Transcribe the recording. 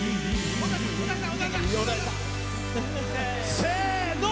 せの！